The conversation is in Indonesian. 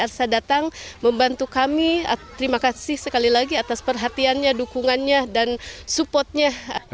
saya datang membantu kami terima kasih sekali lagi atas perhatiannya dukungannya dan supportnya